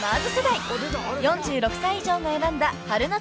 ［４６歳以上が選んだ春夏